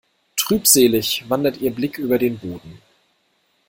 Trübselig wandert ihr Blick über den Boden.